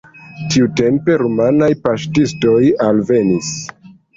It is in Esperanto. Tiutempe rumanaj paŝtistoj alvenis.